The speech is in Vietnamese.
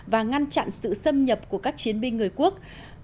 và ngăn chặn sự xâm nhập của các chiến binh người quốc